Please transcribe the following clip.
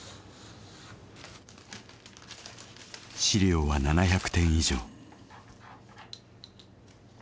資料は７００点以上。